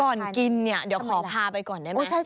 ก่อนกินเนี่ยเดี๋ยวขอพาไปก่อนได้ไหม